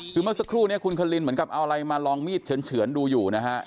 คือเมื่อสักครู่นี้คุณคลินเหมือนกับเอาอะไรมาลองมีดเฉือนดูอยู่นะฮะ